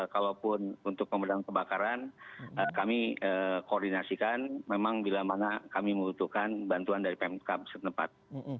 kalaupun untuk pembedaan kebakaran kami koordinasikan memang bila mana kami membutuhkan bantuan dari pmk setempat